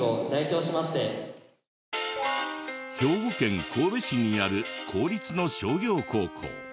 兵庫県神戸市にある公立の商業高校。